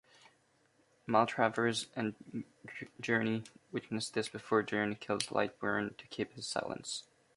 Maltravers and Gurney witness this before Gurney kills Lightborn to keep his silence.